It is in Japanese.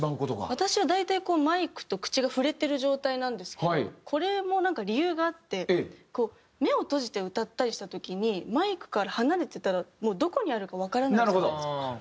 私は大体マイクと口が触れてる状態なんですけどこれもなんか理由があって目を閉じて歌ったりした時にマイクから離れてたらもうどこにあるかわからないじゃないですか。